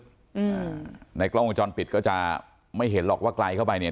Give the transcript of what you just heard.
อืมในกล้องวงจรปิดก็จะไม่เห็นหรอกว่าไกลเข้าไปเนี่ย